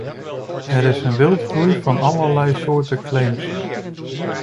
Er is een wildgroei van allerlei soorten claims.